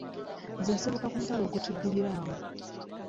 Nze nsibuka ku mutala ogutuddirira awo.